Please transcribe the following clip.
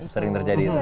sering terjadi itu